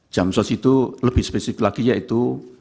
jamsos itu lebih spesifik lagi yaitu